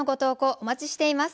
お待ちしています。